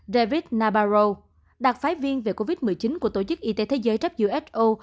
david nabarow đặc phái viên về covid một mươi chín của tổ chức y tế thế giới who